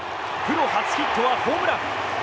プロ初ヒットはホームラン。